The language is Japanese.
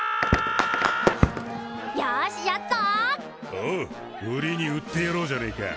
おう売りに売ってやろうじゃねえか。